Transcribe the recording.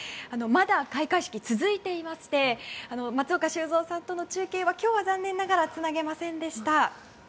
まだ開会式は続いていまして松岡修造さんとの中継は今日は残念ながらつなげませんでした。